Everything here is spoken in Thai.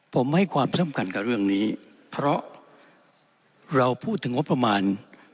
ผมให้ความสำคัญกับเรื่องนี้เพราะเราพูดถึงงบประมาณ